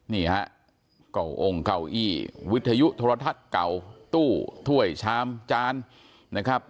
นี่ฮะเก่าองค์เก่าอี้วิทยุโทรทัศน์เก่าตู้ถ้วยชามจานนะครับ